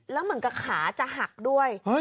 แล้วเหมือนกับขาจะหักด้วย